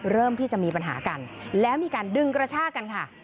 เริ่มที่จะมีปัญหากันแล้วมีการดึงกระชากันค่ะ